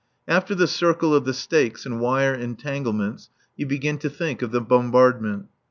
After the circle of the stakes and wire entanglements you begin to think of the bombardment.